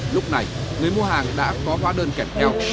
lúc này người mua hàng đã có hóa đơn kẹt kẹo